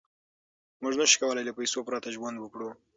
موږ نشو کولای له پیسو پرته ژوند وکړو.